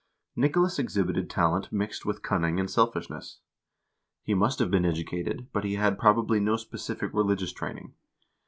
Nicolas exhibited talent mixed with cunning and selfishness. He must have been educated, but he had, probably, no specific religious training.